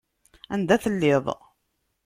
Anda telliḍ!